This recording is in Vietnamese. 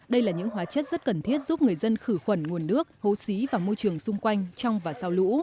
đây là những hóa chất rất cần thiết giúp người dân khử khuẩn nguồn nước hố xí và môi trường xung quanh trong và sau lũ